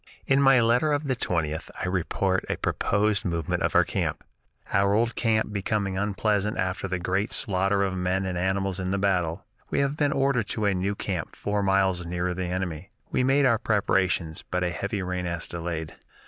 In my letter of the 20th, I report a proposed movement of our camp: "Our old camp becoming unpleasant after the great slaughter of men and animals in the battle, we have been ordered to a new camp four miles nearer the enemy. We made our preparations, but a heavy rain has delayed.